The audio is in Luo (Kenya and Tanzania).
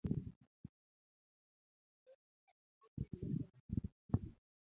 Gik nyithindgi mosetho inyalo pog e yor hera.